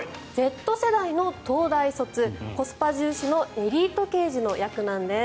Ｚ世代の東大卒コスパ重視のエリート刑事の役なんです。